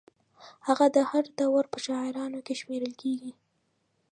هغه د هر دور په شاعرانو کې شمېرل کېږي.